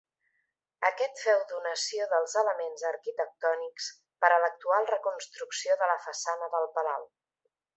Aquest féu donació dels elements arquitectònics per a l'actual reconstrucció de la façana del palau.